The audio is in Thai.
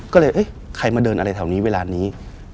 ก็เลยเอ๊ะใครมาเดินอะไรแถวนี้เวลานี้